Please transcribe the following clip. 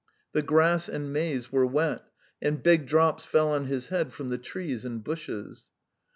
The grass and maize were wet, and big drops fell on his head from the trees and bushes.